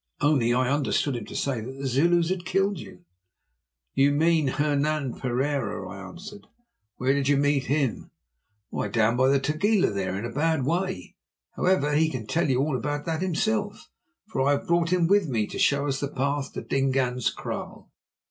Only I understood him to say that the Zulus had killed you." "If you mean Hernan Pereira," I answered, "where did you meet him?" "Why, down by the Tugela there, in a bad way. However, he can tell you all about that himself, for I have brought him with me to show us the path to Dingaan's kraal.